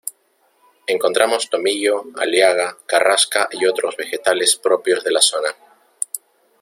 Encontramos tomillo, aliaga, carrasca y otros vegetales propios de la zona.